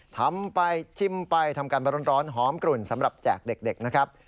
ทำไปชิมไปทำการร้อนหอมกลุ่นสำหรับแจกเด็กนะครับ